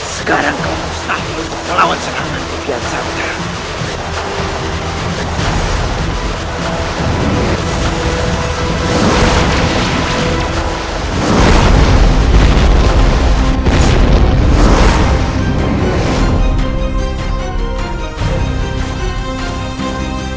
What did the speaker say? sekarang kau mustahil untuk melawan senang hati pihak saber